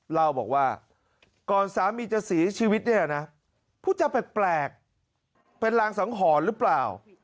เล่าบอกว่าก่อนสามีจะเสียชีวิตเนี่ยนะผู้จะแปลกเป็นรางสังหรณ์หรือเปล่า